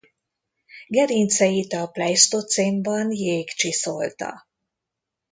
Gerinceit a pleisztocénban jég csiszolta.